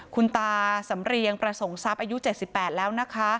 คุณตาสำเรียงประสงสัพย์อายุเจ็ดสิบแปดแล้วนะคะ